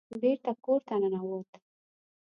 بېرته کور ته ننوت.